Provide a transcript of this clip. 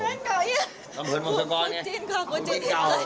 ลำเพิร์นวงสกรเนี่ย